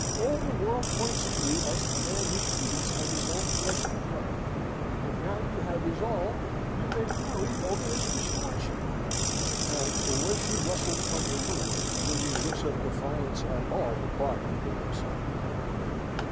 All the world points at you as the man who feeds on his own flesh and blood. And now you have his all, you make merry over his misfortune!" And away she rustled from the room, flinging looks of defiance at all the party there assembled.